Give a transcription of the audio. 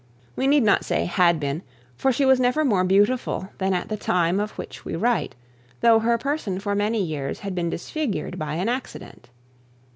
We need not say had been, for she was never more beautiful than at the time of which we write, though her person for many years had been disfigured by an accident.